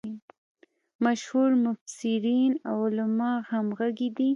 مشهور مفسرین او علما همغږي دي.